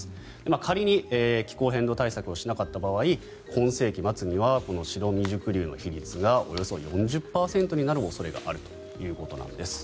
仮に気候変動対策をしなかった場合今世紀末にはこの白未熟粒の比率がおよそ４０％になる恐れがあるということなんです。